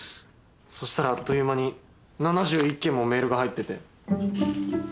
そしたらあっという間に７１件もメールが入ってて。